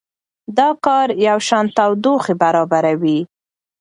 دا کار یوشان تودوخه برابروي.